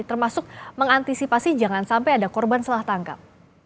termasuk mengantisipasi jangan sampai ada korban salah tangkap